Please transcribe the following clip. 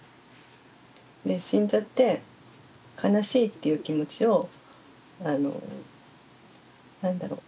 死んじゃって悲しいっていう気持ちをあのなんだろう